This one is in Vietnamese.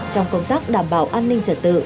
trong công tác đảm bảo an ninh trật tự